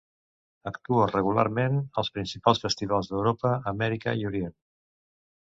Actuà regularment als principals festivals d'Europa, Amèrica i Orient.